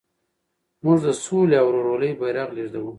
موږ د سولې او ورورولۍ بیرغ لېږدوو.